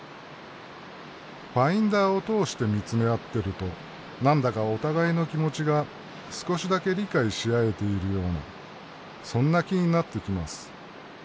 ファインダーを通して見つめ合ってるとなんだかお互いの気持ちが少しだけ理解し合えているようなそんな気になってきます。